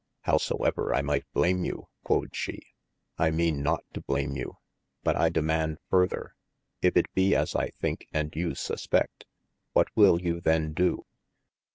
Howsoever I might blame you (quod she) I meane not to blame you, but I demaund further, if it be as I thinke & you suspedT:, what will you then do